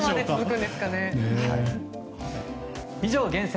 以上、厳選！